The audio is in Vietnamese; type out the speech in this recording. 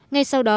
ngay sau đó